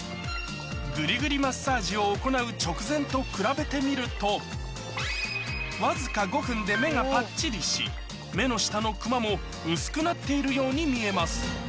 グリグリマッサージを行う直前と比べてみるとわずか５分で目がぱっちりし目の下のクマも薄くなっているように見えます